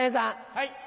はい。